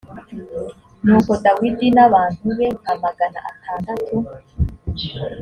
nuko dawidi n abantu be nka magana atandatu